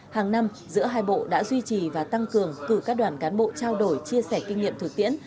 hàng năm giữa hai bộ đã duy trì và tăng cường cử các đoàn cán bộ trao đổi chia sẻ kinh nghiệm thực tiễn